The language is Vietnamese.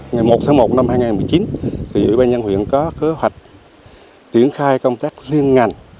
ngày một một hai nghìn một mươi chín ủy ban nhân huyện có cơ hoạch triển khai công tác liên ngàn